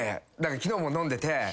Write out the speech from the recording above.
昨日も飲んでて。